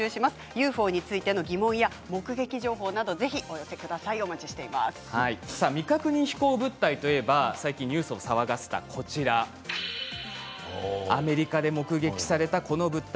ＵＦＯについての疑問未確認飛行物体といえば最近ニュースを騒がせたアメリカで目撃されたこの物体。